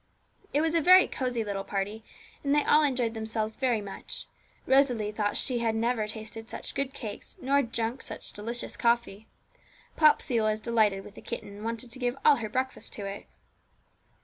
It was a very cosy little party, and they all enjoyed themselves very much. Rosalie thought she had never tasted such good cakes, nor drunk such delicious coffee. Popsey was delighted with the kitten, and wanted to give all her breakfast to it.